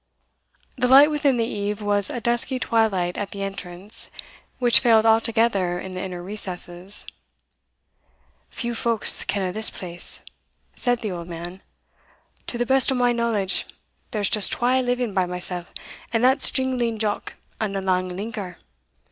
The light within the eave was a dusky twilight at the entrance, which failed altogether in the inner recesses. "Few folks ken o' this place," said the old man; "to the best o'my knowledge, there's just twa living by mysell, and that's Jingling Jock and the Lang Linker.